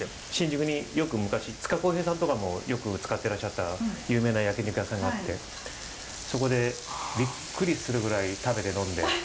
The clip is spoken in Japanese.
新宿によく昔つかこうへいさんとかもよく使ってらっしゃった有名な焼肉屋さんがあってそこでビックリするぐらい食べて呑んで。